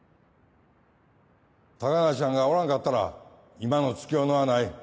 高梨はんがおらんかったら今の月夜野はない。